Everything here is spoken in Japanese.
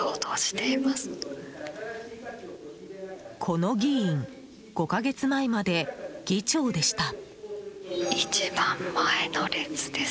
この議員５か月前まで議長でした。